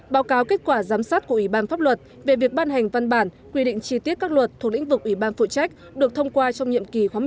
báo cáo kết quả giám sát của ủy ban pháp luật về việc ban hành văn bản quy định chi tiết các luật thuộc lĩnh vực ủy ban phụ trách được thông qua trong nhiệm kỳ khóa một mươi ba